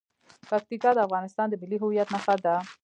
پکتیکا د افغانستان د ملي هویت نښه ده.